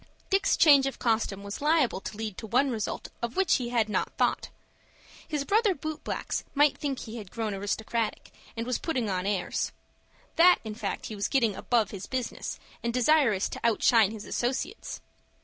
Dick's change of costume was liable to lead to one result of which he had not thought. His brother boot blacks might think he had grown aristocratic, and was putting on airs,—that, in fact, he was getting above his business, and desirous to outshine his associates.